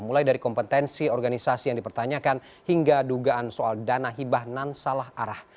mulai dari kompetensi organisasi yang dipertanyakan hingga dugaan soal dana hibah nan salah arah